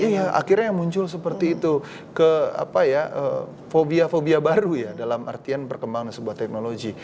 iya akhirnya muncul seperti itu ke apa ya fobia fobia baru ya dalam artian perkembangan sebuah teknologi